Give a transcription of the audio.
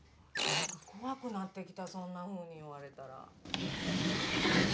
こわくなってきたそんなふうに言われたら。